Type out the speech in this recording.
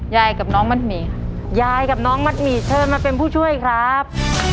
กับน้องมัดหมี่ค่ะยายกับน้องมัดหมี่เชิญมาเป็นผู้ช่วยครับ